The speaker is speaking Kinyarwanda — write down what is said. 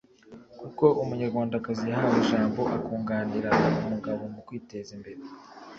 kuko Umunyarwandakazi yahawe ijambo akunganirana umugabo mu kwiteza imbere